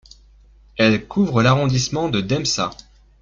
Elle couvre l'arrondissement de Demsa.